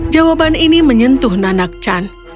jawaban ini menyentuh nanakchan